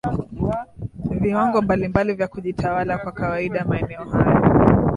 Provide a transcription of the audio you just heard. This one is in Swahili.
viwango mbalimbali vya kujitawala Kwa kawaida maeneo haya